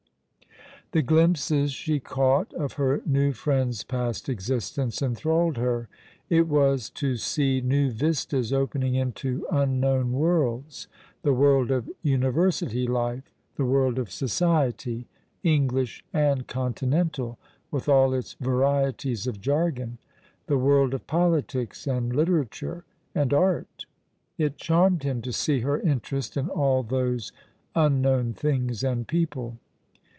The glimpses she caught of her new friend's past existence enthralled her. It was to see new vistas opening into un known worlds; the world of university life; the world of 52 All along the River, society, English and contiuental, with all its varieties of jargon; the world of politics, and literature, and art. It charmed him to see her interest in all those unknown things and people.